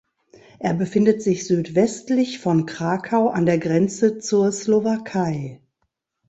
Er befindet sich südwestlich von Krakau an der Grenze zur Slowakei.